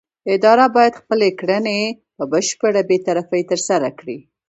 اداره باید خپلې کړنې په بشپړه بې طرفۍ ترسره کړي.